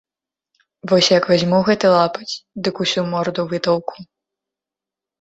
Вось як вазьму гэты лапаць, дык усю морду вытаўку.